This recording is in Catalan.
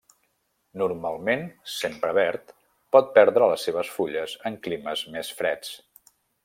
Normalment sempre verd, pot perdre les seves fulles en climes més freds.